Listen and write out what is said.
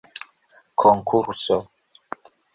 konkurso